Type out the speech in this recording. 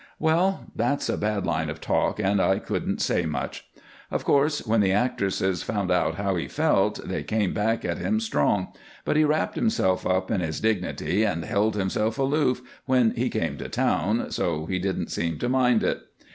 Well, that's a bad line of talk and I couldn't say much. Of course, when the actresses found out how he felt they came back at him strong, but he wrapped himself up in his dignity and held himself aloof when he came to town, so he didn't seem to mind it.